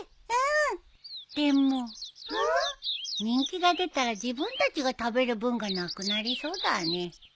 人気が出たら自分たちが食べる分がなくなりそうだね。